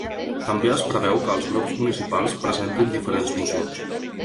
També es preveu que els grups municipals presentin diferents mocions.